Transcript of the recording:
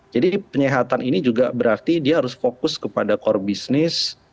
jadi penyehatan ini juga berarti dia harus fokus kepada core bisnis